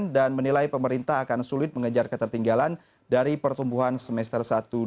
dan menilai pemerintah akan sulit mengejar ketertinggalan dari pertumbuhan semester satu dua ribu tujuh belas